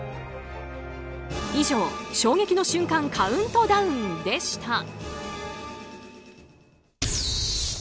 以上、衝撃の瞬間カウントダウンでした。